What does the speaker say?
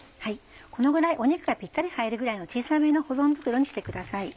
このぐらい肉がピッタリ入るぐらいの小さめの保存袋にしてください。